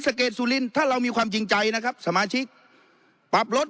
เกดสุรินถ้าเรามีความจริงใจนะครับสมาชิกปรับลด